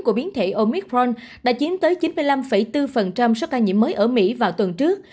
của biến thể omithron đã chiếm tới chín mươi năm bốn số ca nhiễm mới ở mỹ vào tuần trước